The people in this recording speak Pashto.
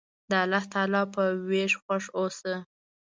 د الله تعالی په ویش خوښ اوسه.